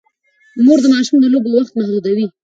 مور د ماشوم د لوبو وخت محدودوي.